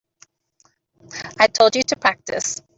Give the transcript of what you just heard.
I told you to practice.